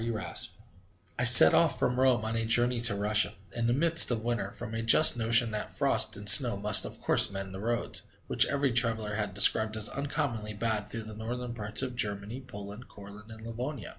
E. Raspe I set off from Rome on a journey to Russia, in the midst of winter, from a just notion that frost and snow must, of course, mend the roads, which every traveller had described as uncommonly bad through the northern parts of Germany, Poland, Courland, and Livonia.